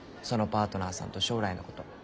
そのパートナーさんと将来のこと。